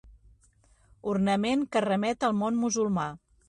Ornament que remet al món musulmà.